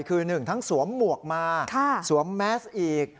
คือหนึ่งทั้งสวมหมวกมาสวมแมสก์อีก